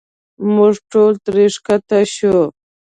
موږ ټول ترې ښکته شو.